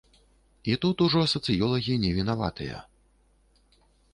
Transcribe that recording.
І тут ужо сацыёлагі не вінаватыя.